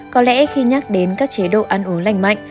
có lẽ khi nhắc đến các chế độ ăn uống lành mạnh